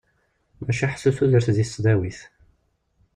Maca ḥsu tudert deg tesdawit.